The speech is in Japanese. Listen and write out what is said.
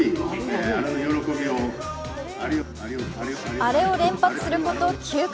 アレを連発すること９回。